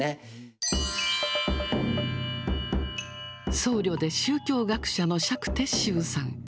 僧侶で宗教学者の釈徹宗さん。